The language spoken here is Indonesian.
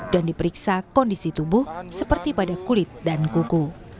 dan diperiksa kondisi tubuh seperti pada kulit dan kuku